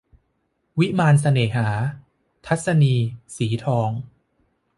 วิมานเสน่หา - ทัศนีย์ สีทอง